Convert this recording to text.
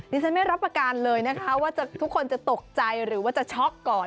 ฉันไม่รับประการเลยนะคะว่าทุกคนจะตกใจหรือว่าจะช็อกก่อน